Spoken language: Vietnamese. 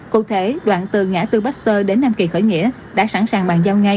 cụ thể đoạn từ ngã tư baxter đến nam kỳ khởi nghĩa đã sẵn sàng bàn giao ngay